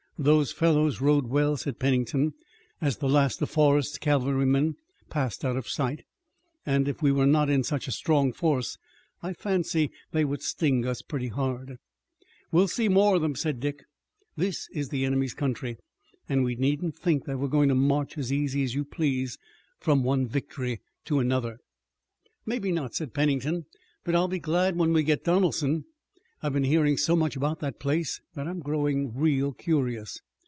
"Those fellows ride well," said Pennington, as the last of Forrest's cavalrymen passed out of sight, "and if we were not in such strong force I fancy they would sting us pretty hard." "We'll see more of 'em," said Dick. "This is the enemy's country, and we needn't think that we're going to march as easy as you please from one victory to another." "Maybe not," said Pennington, "but I'll be glad when we get Donelson. I've been hearing so much about that place that I'm growing real curious."